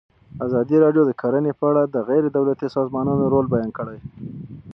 ازادي راډیو د کرهنه په اړه د غیر دولتي سازمانونو رول بیان کړی.